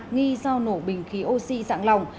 nghi do nổ bình khí oxy sẵn lòng